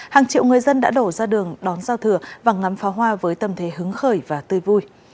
hàng triệu người dân đã đổ ra đường đón giao thừa và ngắm pháo hoa với tâm thế hứng khởi và tươi vui